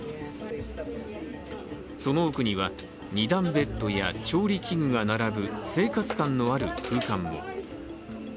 その奥には２段ベッドや調理器具が並ぶ生活感のある空間も。